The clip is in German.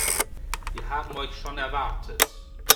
Wir haben euch schon erwartet.